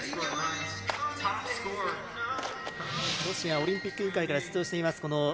ロシアオリンピック委員会から出場しています